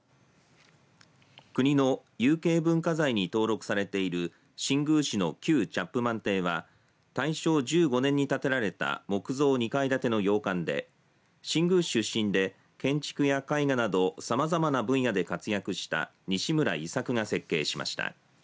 国の有形文化財に登録されている新宮市の旧チャップマン邸は大正１５年に建てられた木造２階建ての洋館で新宮市出身で建築や絵画などさまざまな分野で活躍した西村伊作が設定しました。